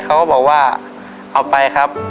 เขาก็บอกว่าเอาไปครับ